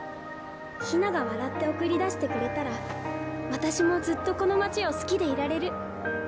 陽菜が笑って送り出してくれたら私もずっとこの街を好きでいられる。